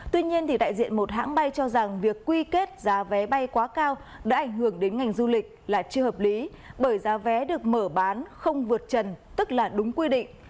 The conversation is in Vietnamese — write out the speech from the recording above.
tuy nhiên đại diện một hãng bay cho rằng việc quy kết giá vé bay quá cao đã ảnh hưởng đến ngành du lịch là chưa hợp lý bởi giá vé được mở bán không vượt trần tức là đúng quy định